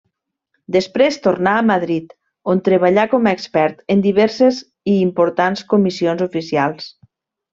Després tornà a Madrid, on treballà com a expert en diverses i importants comissions oficials.